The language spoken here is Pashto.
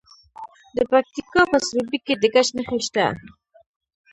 د پکتیکا په سروبي کې د ګچ نښې شته.